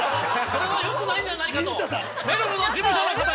それはよくないんじゃないかと。